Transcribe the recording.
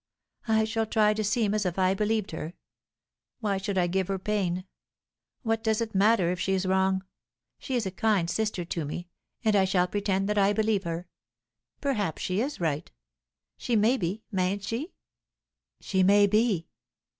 I shall try to seem as if I believed her. Why should I give her pain? What does it matter if she is wrong? She is a kind sister to me, and I shall pretend that I believe her. Perhaps she is right? She may be, mayn't she?" "She may be."